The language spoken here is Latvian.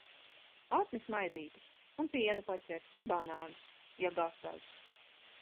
Atnes maizīti! Un pienu paķer, un banānus. Ja gatavi.